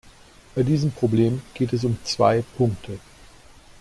Bei diesem Problem geht es um zwei Punkte.